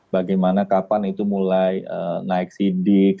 bagaimana kapan itu mulai naik sidik